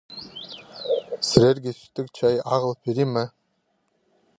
Сірерге сӱттіг чай ағыл пирим ма?